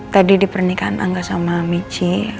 tadi di pernikahan angga sama michi